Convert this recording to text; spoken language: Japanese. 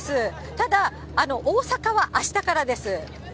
ただ、大阪はあしたからです。